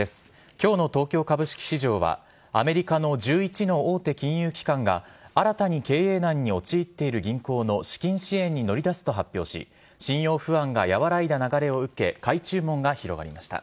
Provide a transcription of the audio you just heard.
今日の東京株式市場はアメリカの１１の大手金融機関が新たに経営難に陥っている銀行の資金支援に乗り出すと発表し信用不安が和らいだ流れを受け買い注文が広がりました。